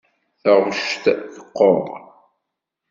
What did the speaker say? Taɣect teqquṛ.